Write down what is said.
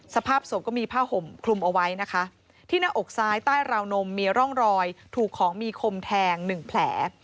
สภาพศพก็มีผ้าห่มคลุมเอาไว้นะคะที่หน้าอกซ้ายใต้ราวนมมีร่องรอยถูกของมีคมแทงหนึ่งแผล